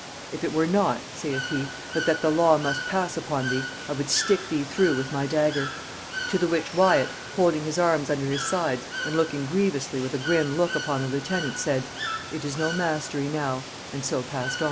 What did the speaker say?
... If it were not (saith he) but that the law must pass upon thee, I would stick thee through with my dagger.' To the which Wyat, holding his arms under his sides and looking grievously with a grim look upon the lieutenant, said, 'It is no mastery now;' and so passed on."